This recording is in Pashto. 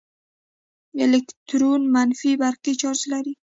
الکترون منفي برقي چارچ لري.